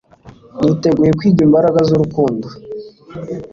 niteguye kwiga Imbaraga z'urukundo